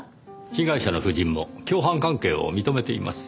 被害者の夫人も共犯関係を認めています。